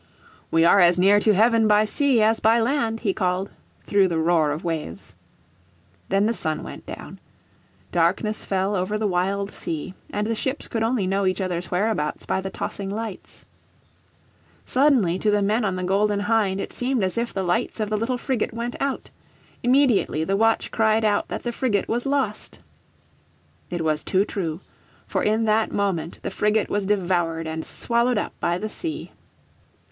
"We are as near to heaven by sea as by land," he called, through the roar of waves. Then the sun went down. Darkness fell over the wild sea, and the ships could only know each other's whereabouts by the tossing lights. Suddenly to the men on the Golden Hind it seemed as if the lights of the little frigate went out. Immediately the watch cried out that the frigate was lost. "It was too true. For in that moment the frigate was devoured and swallowed up by the sea."